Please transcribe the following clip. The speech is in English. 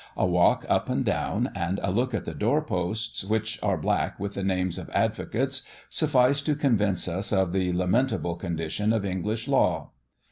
A walk up and down, and a look at the door posts, which are black with the names of advocates, suffice to convince us of the lamentable condition of English law.